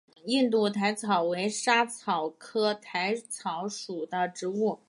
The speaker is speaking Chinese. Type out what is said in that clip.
印度薹草为莎草科薹草属的植物。